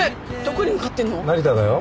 成田だよ。